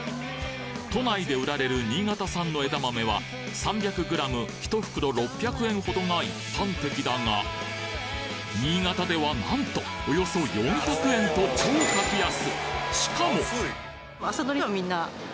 都内で売られる新潟産の枝豆は３００ｇひと袋６００円ほどが一般的だが新潟ではなんとおよそ４００円と超格安！